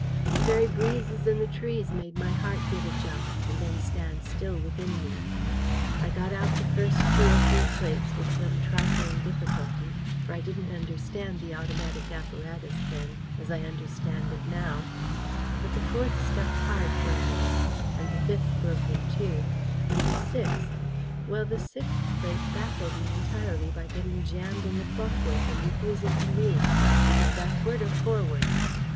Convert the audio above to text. The very breezes in the trees made my heart give a jump, and then stand still within me. I got out the first two or three plates with some trifling difficulty, for I didn't understand the automatic apparatus then as I understand it now: but the fourth stuck hard for a minute; the fifth broke in two; and the sixth well, the sixth plate baffled me entirely by getting jammed in the clockwork, and refusing to move, either backward or forward.